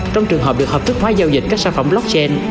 trong trường hợp được hợp thức hóa giao dịch các sản phẩm blockchain